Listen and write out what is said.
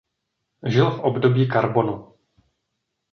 Žil v období karbonu.